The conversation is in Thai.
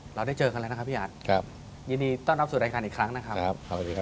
เราได้เจอกันแล้วนะครับพี่อัดครับยินดีต้อนรับสู่รายการอีกครั้งนะครับสวัสดีครับ